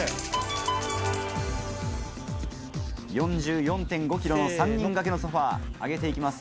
４４．５ｋｇの３人掛けのソファ上げて行きます。